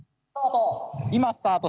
スタート！